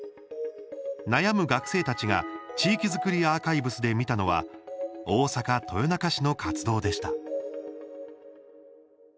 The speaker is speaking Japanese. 悩む学生たちが地域づくりアーカイブスで見たのは大阪・豊中市の活動でした。